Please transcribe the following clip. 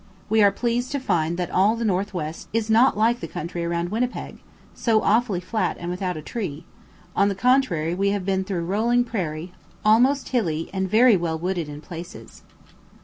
We are pleased to find that all the North west is not like the country around Winnipeg, so awfully flat and without a tree; on the contrary we have been through rolling prairie, almost hilly and very well wooded in places.